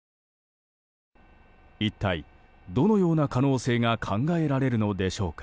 一体、どのような可能性が考えられるのでしょうか。